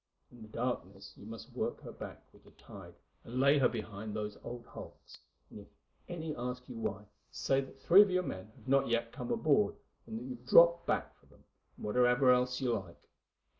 In the darkness you must work her back with the tide and lay her behind those old hulks, and if any ask you why, say that three of your men have not yet come aboard, and that you have dropped back for them, and whatever else you like.